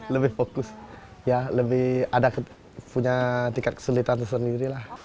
lebih fokus lebih ada tingkat kesulitan tersendiri